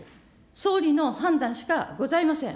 総理の判断しかございません。